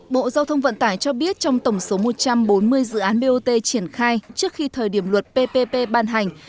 bộ giao thông vận tải cho biết trong tổng số một trăm bốn mươi dự án bot triển khai trước khi thời điểm luật ppp ban hành